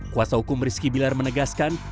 kuasa hukum rizky bilar menegaskan